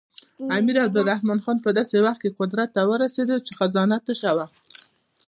امیر عبدالرحمن خان په داسې وخت کې قدرت ته ورسېد چې خزانه تشه وه.